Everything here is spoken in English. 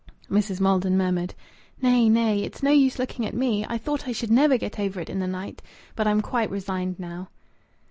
Mrs. Maldon murmured "Nay, nay! It's no use looking at me. I thought I should never get over it in the night. But I'm quite resigned now."